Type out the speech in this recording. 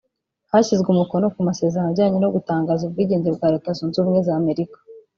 Hashyizwe umukono ku masezerano ajyanye no gutangaza ubwigenge bwa Leta Zunze Ubumwe z’Amerika